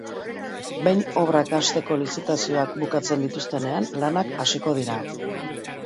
Behin obrak hasteko lizitazioak bukatzen dituztenean, lanak hasiko dira.